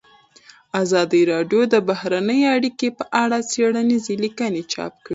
ازادي راډیو د بهرنۍ اړیکې په اړه څېړنیزې لیکنې چاپ کړي.